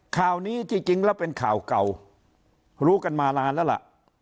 ข่าวนี้ที่จริงแล้วเป็นข่าวเก่ารู้กันมานานแล้วล่ะ